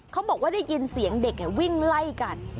เขาบอกว่าได้ยินเสียงเด็กวิ่งไล่กัน